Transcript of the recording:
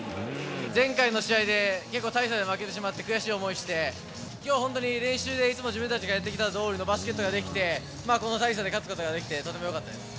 前回の試合で、結構大差で負けてしまって、悔しい思いして、きょう本当に、練習でいつも自分たちがやってきたどおりのバスケットボールができて、この大差で勝つことができて、とてもよかったです。